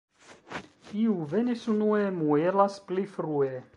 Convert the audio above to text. Kiu venis unue, muelas pli frue.